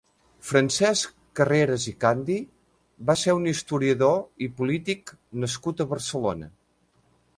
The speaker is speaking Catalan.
Francesc Carreras i Candi va ser un historiador i polític nascut a Barcelona.